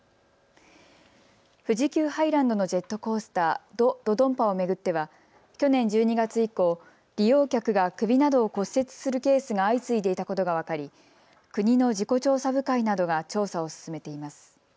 富士急ハイランドのジェットコースター、ド・ドドンパを巡っては去年１２月以降、利用客が首などを骨折するケースが相次いでいたことが分かり国の事故調査部会などが調査を進めています。